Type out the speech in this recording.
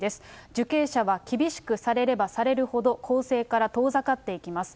受刑者は厳しくされればされるほど、更生から遠ざかっていきます。